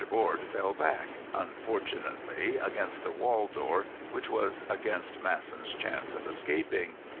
Board fell back—unfortunately, against the hall door, which was against Masson's chance of escaping.